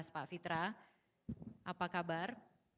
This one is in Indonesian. pak fitra apa kabar